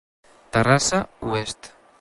Terrassa Oest.